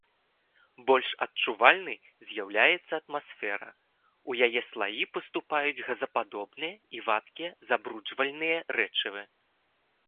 Больш адчувальнай з'яўляецца атмасфера, у яе слаі паступаюць газападобныя і вадкія забруджвальныя рэчывы.